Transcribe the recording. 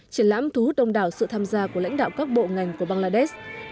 triển lãm thu hút đông đảo sự tham gia của lãnh đạo các bộ ngành của bangladesh